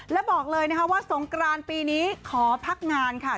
และบอกเลยนะคะว่าสงกรานปีนี้ขอพักงานค่ะ